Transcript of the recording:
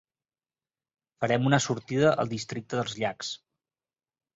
Farem una sortida al districte dels llacs.